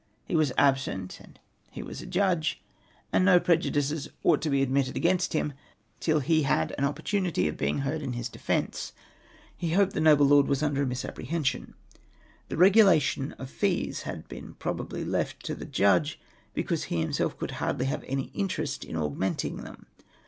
He was absent, and he was a Judge — and no prejudices ought to be admitted against him till he had an opportunity of being heard in his defence. He hoped the noble lord was under a misapprehension. The regulation of the fees had been probably left to the Judge because he him self could hardly have any interest in augmenting them.